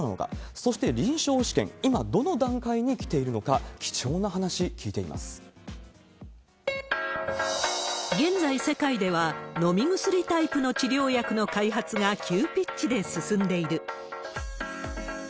そして臨床試験、今どの段階にきているのか、現在、世界では飲み薬タイプの治療薬の開発が急ピッチで進んでいる。